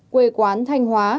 quê quán thanh hóa